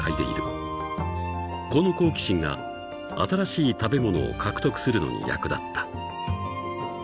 ［この好奇心が新しい食べ物を獲得するのに役立った］